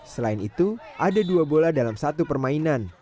selain itu ada dua bola dalam satu permainan